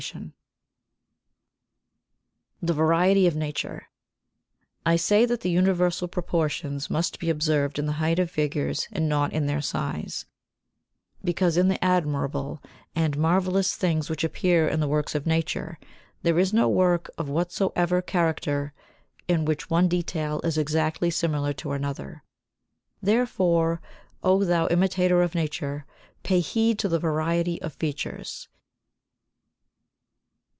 [Sidenote: The Variety of Nature] 69. I say that the universal proportions must be observed in the height of figures and not in their size, because in the admirable and marvellous things which appear in the works of nature there is no work of whatsoever character in which one detail is exactly similar to another; therefore, O thou imitator of nature, pay heed to the variety of features.